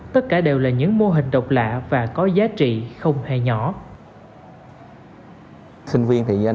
tất cả đều là những mô hình độc lạ và có giá trị không hề nhỏ